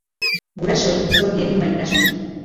Gurasoei zor diegun maitasuna.